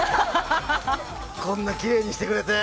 こんなきれいにしてくれて。